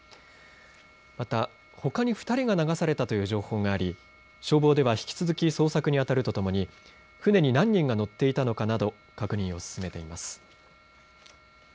またほかに２人が流されたという情報があり、消防では引き続き捜索にあたるとともに船に何人が乗っていたのかなど確認を進めています。